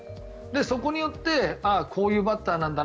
そこによってこういうバッターなんだな